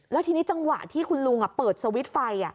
แล้วทีนี้จังหวะที่คุณลุงเปิดสวิตช์ไฟ